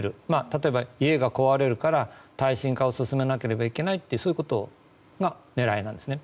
例えば家が壊れるから耐震化を進めなければいけないとそういうことが狙いなんですね。